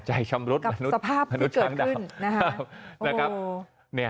กับสภาพที่เกิดขึ้น